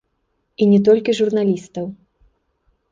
І не толькі журналістаў.